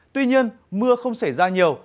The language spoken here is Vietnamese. tuy nhiên mưa không xảy ra nhiều